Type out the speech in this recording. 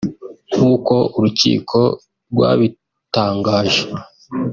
nk’uko urukiko rwabitangaje